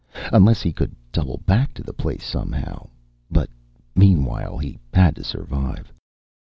Unless he could double back to the place somehow but meanwhile he had to survive.